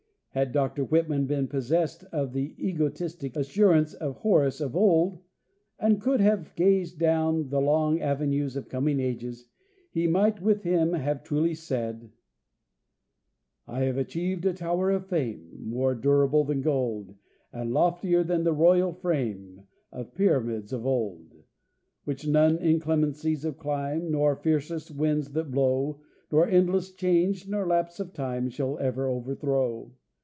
Had Dr Whitman been possessed of the egotistic assurance of Horace of old, and could he have gazed down the long avenues of coming ages, he might, with him, have truly said: I have achieved a tower of fame More durable than gold, And loftier than the royal frame Of pyramids of old ; Which none inclemencies of clime, Nor fiercest winds that blow, Nor endless change, nor lapse of time, Shall ever overthrow.